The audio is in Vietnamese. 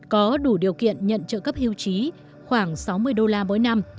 có đủ điều kiện nhận trợ cấp hưu trí khoảng sáu mươi đô la mỗi năm